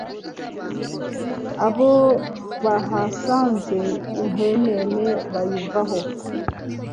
abo bahasanze inkwenene bayivaho